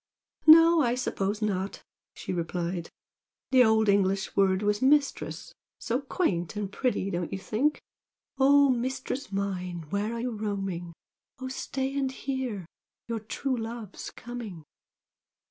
"No, I suppose not!" she replied "The old English word was 'Mistress.' So quaint and pretty, don't you think?" 'Oh mistress mine, where are you roaming? Oh stay and hear! your true love's coming!'